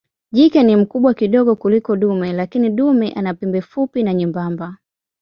Jike ni mkubwa kidogo kuliko dume lakini dume ana pembe fupi na nyembamba.